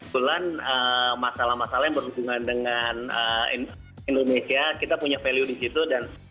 mulai masalah masalah yang berhubungan dengan indonesia kita punya value disitu dan